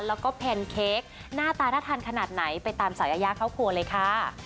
แล้วก็แพนเค้กหน้าตาน่าทานขนาดไหนไปตามสาวยายาเข้าครัวเลยค่ะ